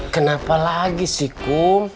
kenapa lagi sih kum